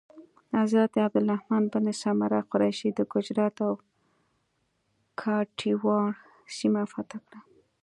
حضرت عبدالرحمن بن سمره قریشي د ګجرات او کاټیاواړ سیمه فتح کړه.